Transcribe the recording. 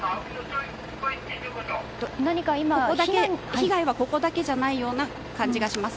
被害はここだけじゃないような感じがします。